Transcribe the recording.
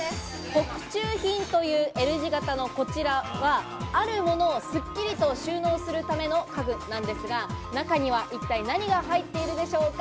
特注品というＬ字型のこちらは、あるものをすっきりと収納するための家具なんですが、中には一体何が入っているでしょうか。